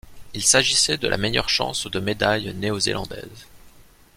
Il s'agissait de la meilleure chance de médaille neo-zélandaise.